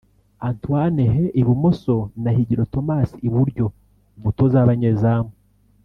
Antoine Hey (ibumoso) na Higiro Thomas (iburyo) umutoza w'abanyezamu